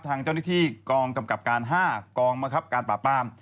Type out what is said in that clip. ทางเจ้าอดิขที่กองกำกับการ๕กองปลาปลาม